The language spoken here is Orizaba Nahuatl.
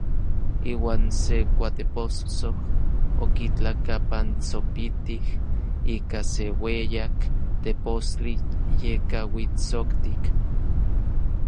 Iuan se kuatepossoj okitlakapantsopitij ika se ueyak tepostli yekauitsoktik.